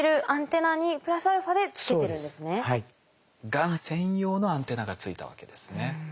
がん専用のアンテナがついたわけですね。